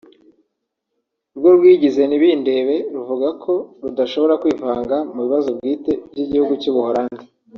rwo rwigize ntibindebe ruvuga ko rudashobora kwivanga mu bibazo bwite by’igihugu cy’u Buhorandi